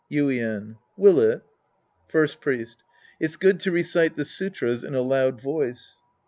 Yuien. Will it ? First Priest. It's good to recite the sutras in a loud voice.